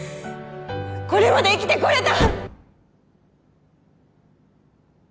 これまで生きてこれた！